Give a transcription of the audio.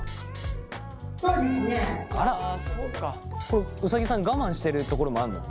これうさぎさん我慢してるところもあるの？